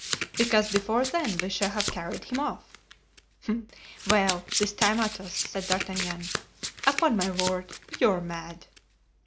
"Because before then we shall have carried him off." "Well, this time, Athos," said D'Artagnan, "upon my word, you are mad."